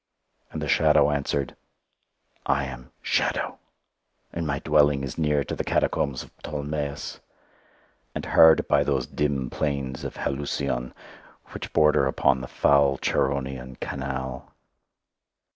And the shadow answered, "I am SHADOW, and my dwelling is near to the Catacombs of Ptolemais, and hard by those dim plains of Helusion which border upon the foul Charonian canal."